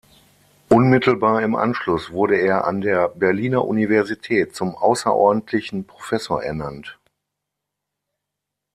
Unmittelbar im Anschluss wurde er an der Berliner Universität zum außerordentlichen Professor ernannt.